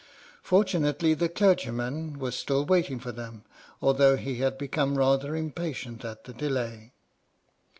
Fortunately the clergyman was still waiting for them, although he had become rather impatient at the delay.